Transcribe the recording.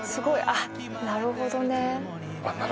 「あっなるほど」